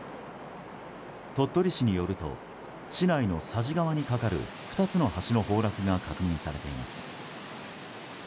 鳥取市によると市内の佐治川に架かる２つの橋の崩落が確認されています。